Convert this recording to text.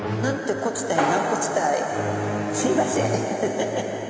すいません。